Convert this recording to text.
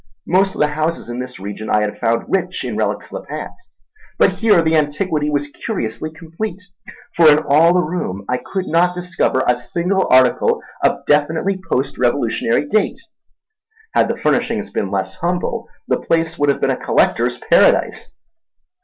Most of the houses in this region I had found rich in relics of the past, but here the antiquity was curiously complete; for in all the room I could not discover a single article of definitely post revolutionary date. Had the furnishings been less humble, the place would have been a collector's paradise.